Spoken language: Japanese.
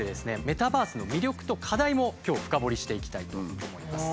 メタバースの魅力と課題も今日は深掘りしていきたいと思います。